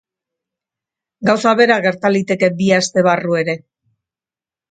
Gauza bera gerta liteke bi aste barru ere.